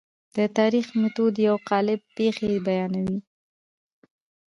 د تاریخي میتود پر قالب پېښې بیانوي.